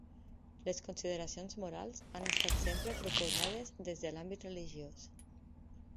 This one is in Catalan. Les consideracions morals han estat sempre proposades des de l'àmbit religiós.